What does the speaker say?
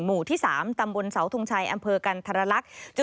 หมู่ที่๓ตำบลเสาทงชัยอำเภอกันธรรลักษณ์